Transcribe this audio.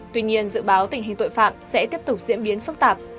tuy nhiên dự báo tình hình tội phạm sẽ tiếp tục diễn biến phức tạp